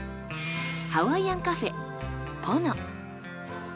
ハワイアンカフェ